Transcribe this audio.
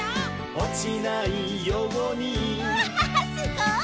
「おちないように」うわすごい！